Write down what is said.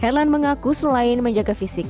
herlan mengaku selain menjaga fisik